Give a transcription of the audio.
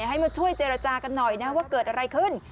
ให้มาช่วยเจรจากันหน่อยนะว่าเกิดอะไรขึ้น